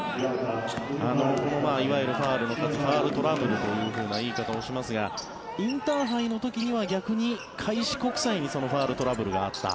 いわゆるファウルの数ファウルトラブルという言い方をしますがインターハイの時には逆に開志国際にそのファウルトラブルがあった。